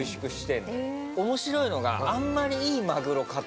面白いのがあんまり。